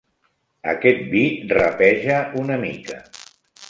Aquest vi rapeja una mica.